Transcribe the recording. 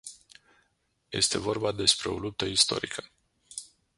Este vorba despre o luptă istorică.